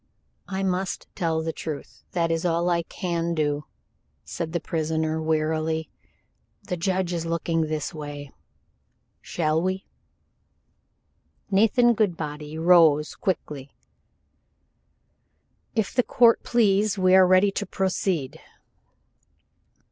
"I must tell the truth. That is all that I can do," said the prisoner, wearily. "The judge is looking this way, shall we " Nathan Goodbody rose quickly. "If the court please, we are ready to proceed."